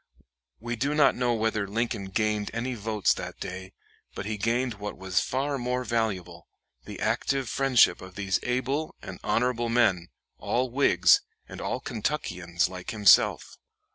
We do not know whether Lincoln gained any votes that day, but he gained what was far more valuable, the active friendship of these able and honorable men, all Whigs and all Kentuckians like himself.